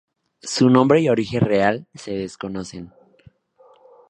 Su nombre y origen real se desconocen.